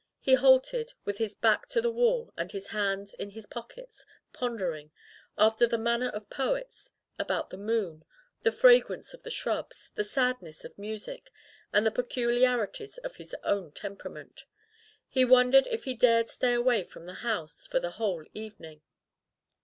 He halted, with his back to the wall and his hands in his pockets, pondering, after the manner of poets, about the moon, the fragrance of the shrubs, the sadness of music, and the pe culiarities of his own temperament. He won dered if he dared stay away from the house for the whole evening.